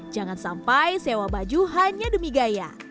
jangan sampai sewa baju hanya demi gaya